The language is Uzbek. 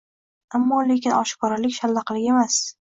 Ammo-lekin oshkoralik — shallaqilik emas.